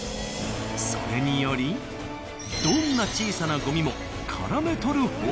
それによりどんな小さなゴミも絡めとる箒に。